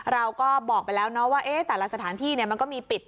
เราก็บอกไปแล้วเนาะว่าแต่ละสถานที่มันก็มีปิด